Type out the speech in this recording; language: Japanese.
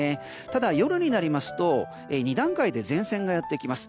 ただ、夜になりますと２段階で前線がやってきます。